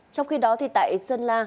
trong khi đó thì tại sơn la